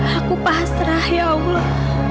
aku pasrah ya allah